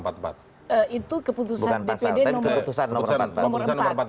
itu keputusan dpd nomor empat puluh empat